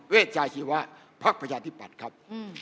เวชชายชีวะภักดิ์ประชาธิปรรตครับ